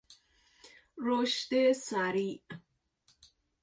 رشد سریع